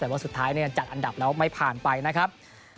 แต่ว่าสุดท้ายจัดอันดับแล้วไม่ผ่านไปนะครับ